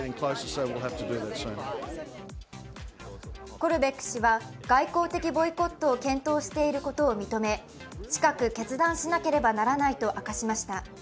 コルベック氏は外交的ボイコットを検討していることを認め、近く決断しなければならないと明かしました。